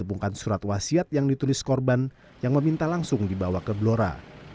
menghubungkan surat wasiat yang ditulis korban yang meminta langsung dibawa ke blora